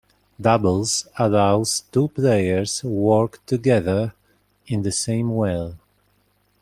"Doubles" allows two players work together in the same well.